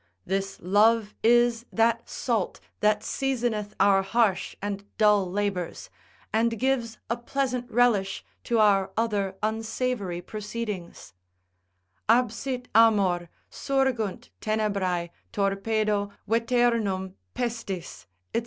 This love is that salt that seasoneth our harsh and dull labours, and gives a pleasant relish to our other unsavoury proceedings, Absit amor, surgunt tenebrae, torpedo, veternum, pestis, &c.